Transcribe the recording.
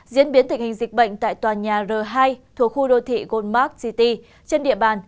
diễn biến tình hình dịch bệnh tại tòa nhà r hai thuộc khu đô thị goldmark city trên địa bàn